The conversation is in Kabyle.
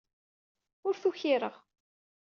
Ur t-ukireɣ.